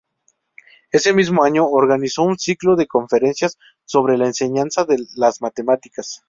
Ese mismo año organizó un ciclo de conferencias sobre la enseñanza de las matemáticas.